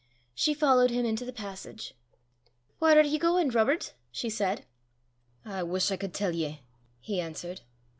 She followed him into the passage. "Whaur are ye gauin', Robert?" she said. "I wuss I cud tell ye," he answered.